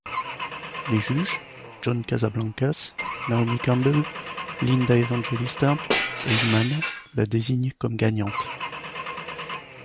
Les juges, John Casablancas, Naomi Campbell, Linda Evangelista et Iman la désignent comme gagnante.